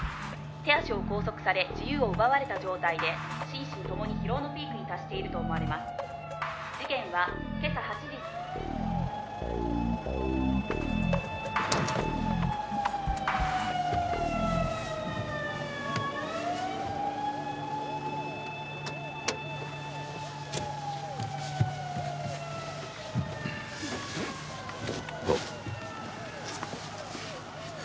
「手足を拘束され自由を奪われた状態で心身ともに疲労のピークに達していると思われます」「事件は今朝８時」どうも。